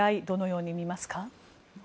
どのように見ますか？